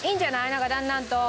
なんかだんだんと。